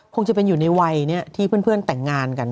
คงจะเป็นอยู่ในวัยนี้ที่เพื่อนแต่งงานกัน